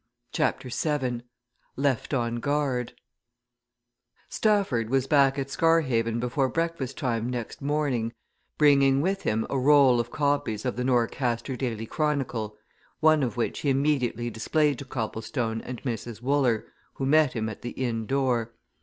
CHAPTER VII LEFT ON GUARD Stafford was back at Scarhaven before breakfast time next morning, bringing with him a roll of copies of the Norcaster Daily Chronicle, one of which he immediately displayed to Copplestone and Mrs. Wooler, who met him at the inn door.